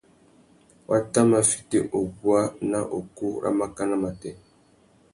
Wa tà mà fiti uguá ná ukú râ mákànà matê.